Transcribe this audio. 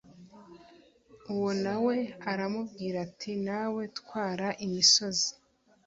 Uwo na we aramubwira ati Nawe twara imisozi